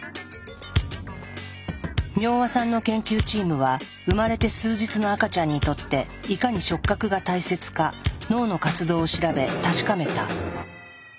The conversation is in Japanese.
明和さんの研究チームは生まれて数日の赤ちゃんにとっていかに触覚が大切か脳の活動を調べ確かめた。